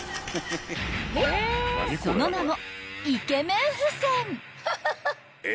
［その名も］